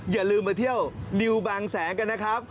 อย่าลืมมาเที่ยวดิวบางแสงกันนะครับ